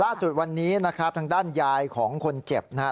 ล่าสุดวันนี้นะครับทางด้านยายของคนเจ็บนะครับ